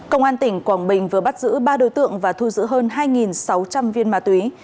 công an tỉnh quảng bình vừa bắt giữ ba đối tượng và thu giữ hơn hai sáu trăm linh viên ma túy